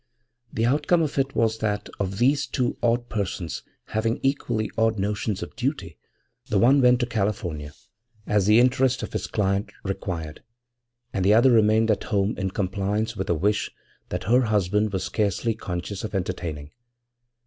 The outcome of it was that of these two odd persons having equally odd notions of duty, the one went to California, as the interest of his client required, and the other remained at home in compliance with a wish that her husband was scarcely conscious of entertaining.